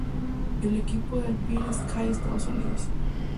El Equipo de Alpine Ski de Estados Unidos.